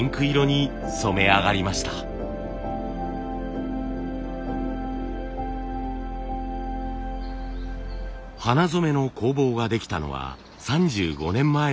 花染めの工房ができたのは３５年前のこと。